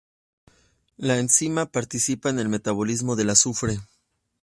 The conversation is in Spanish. La enzima participa en el metabolismo del azufre.